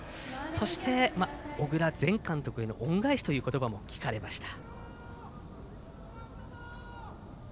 そして、小倉前監督への恩返しという言葉も聞かれました。